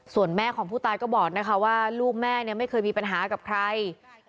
ส่วนแม่ของผู้ตายก็บอกนะคะว่าลูกแม่เนี่ยไม่เคยมีปัญหากับใคร